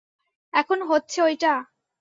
এখনো হচ্ছে ঐটা?